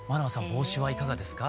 帽子はいかがですか？